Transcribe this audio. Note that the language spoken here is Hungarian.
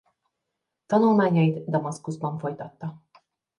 Tanulmányait Damaszkuszban folytatta.